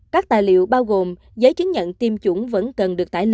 các tài liệu bao gồm giấy chứng nhận tiêm chủng vẫn cần được tải lên